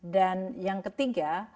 dan yang ketiga